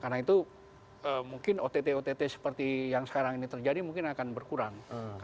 karena itu mungkin ott ott seperti yang sekarang ini terjadi mungkin akan berkurang